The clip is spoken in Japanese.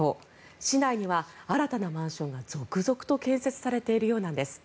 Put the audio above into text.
市内には新たなマンションが続々と建設されているようです。